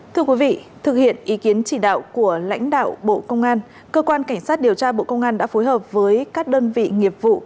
thưa quý vị thực hiện ý kiến chỉ đạo của lãnh đạo bộ công an cơ quan cảnh sát điều tra bộ công an đã phối hợp với các đơn vị nghiệp vụ